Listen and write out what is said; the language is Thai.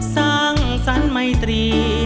สังสรรค์ไม่ตรี